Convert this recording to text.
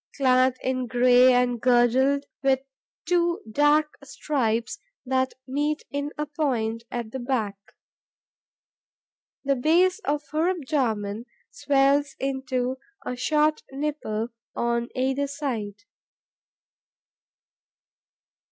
clad in grey and girdled with two dark stripes that meet in a point at the back. The base of her abdomen swells into a short nipple on either side.